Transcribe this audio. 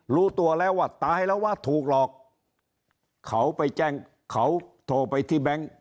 รู้ตัวแล้วว่าตายแล้ววะถูกหลอกเขาไปแจ้งเขาโทรไปที่แบงค์